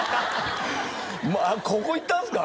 ここ行ったんすか！？